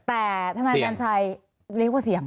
แต่ทนายกัญชัยเรียกว่าเสี่ยง